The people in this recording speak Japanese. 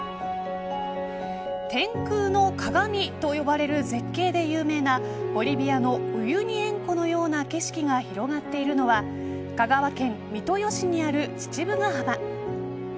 天空の鏡と呼ばれる絶景で有名なボリビアのウユニ塩湖のような景色が広がっているのは香川県、三豊市にある父母ヶ浜。